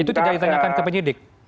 itu terjadi tanyakan ke penyidik